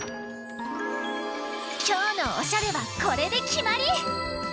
きょうのおしゃれはこれできまり！